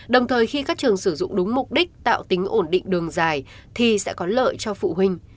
đồng thời khi các trường sử dụng đúng mục đích tạo tính ổn định đường dài thì sẽ có lợi cho phụ huynh